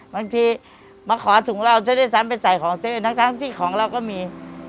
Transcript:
บางทีมาขอถุงเราซะด้วยซ้ำไปใส่ของซะทั้งที่ของเราก็มี